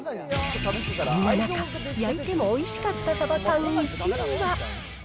そんな中、焼いてもおいしかったサバ缶１位は。